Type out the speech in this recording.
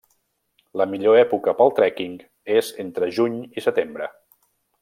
La millor època pel trekking és entre juny i setembre.